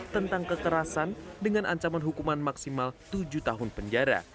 tentang kekerasan dengan ancaman hukuman maksimal tujuh tahun penjara